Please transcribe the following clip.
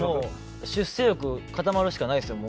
出世欲、固まるしかないですよ。